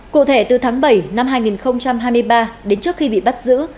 cụ thể từ tháng bảy năm hai nghìn hai mươi ba đến trước khi bị bắt giữ